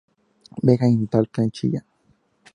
Vega, en Talca y Chillán.